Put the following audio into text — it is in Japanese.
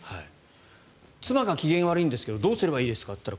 妻が機嫌が悪いんですけどどうすればいいですかと言ったら